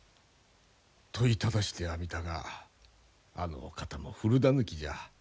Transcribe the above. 問いただしてはみたがあのお方も古だぬきじゃ。